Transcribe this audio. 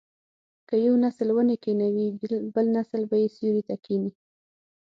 که یو نسل ونې کینوي بل نسل به یې سیوري ته کیني.